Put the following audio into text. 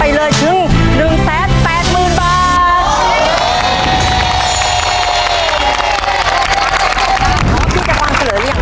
รับทุน๔ข้อ